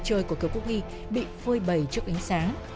trước ánh sáng